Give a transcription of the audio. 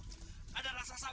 hai ada kita